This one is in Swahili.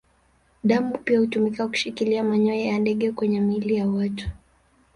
Damu pia hutumika kushikilia manyoya ya ndege kwenye miili ya watu.